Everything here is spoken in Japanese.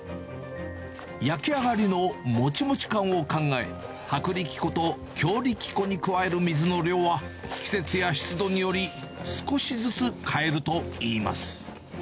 焼き上がりのもちもち感を考え、薄力粉と強力粉に加える水の量は、季節や湿度により、少しずつ変えるといいます。